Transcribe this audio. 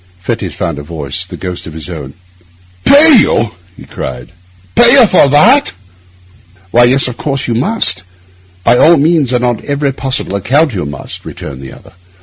Fettes found a voice, the ghost of his own: 'Pay you!' he cried. 'Pay you for that?' 'Why, yes, of course you must. By all means and on every possible account, you must,' returned the other.